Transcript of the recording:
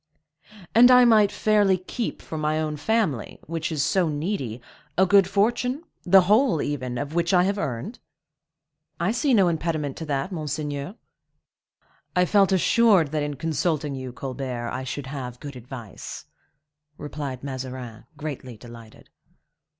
"And I might fairly keep for my own family, which is so needy, a good fortune,—the whole, even, of which I have earned?" "I see no impediment to that, monseigneur." "I felt assured that in consulting you, Colbert, I should have good advice," replied Mazarin, greatly delighted.